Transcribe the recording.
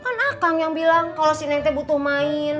kan akang yang bilang kalau si nenekte butuh main